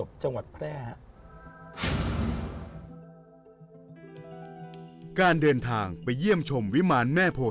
ครับไปเรื่อยจนจะได้